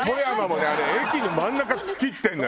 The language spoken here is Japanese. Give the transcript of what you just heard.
あれ駅の真ん中突っ切ってんのよ。